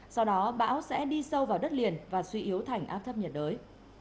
sau đó bão sẽ đi sâu vào đất liền và suy yếu thành áp thấp nhiệt đới